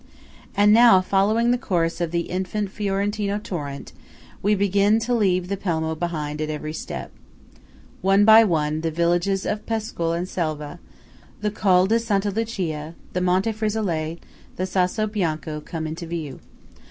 And now, following the course of the infant Fiorentino torrent, we begin to leave the Pelmo behind at every step. One by one, the villages of Pescul and Selva, the Col di Santa Lucia, the Monte Frisolet, the Sasso Bianco, come into view.